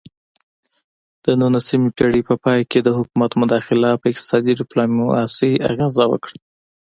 د نولسمې پیړۍ په پای کې د حکومت مداخله په اقتصادي ډیپلوماسي اغیزه وکړه